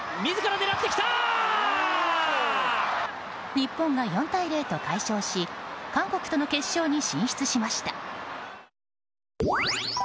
日本が４対０と快勝し韓国と決勝に進出しました。